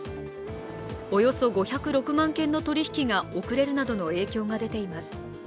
およそ５０６万件の取り引きが遅れるなどの影響が出ています。